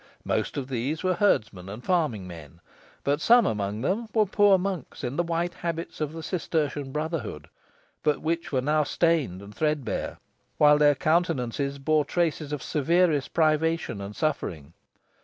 Most of these were herdsmen and farming men, but some among them were poor monks in the white habits of the Cistertian brotherhood, but which were now stained and threadbare, while their countenances bore traces of severest privation and suffering.